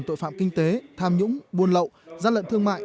tội phạm kinh tế tham nhũng buôn lậu gian lận thương mại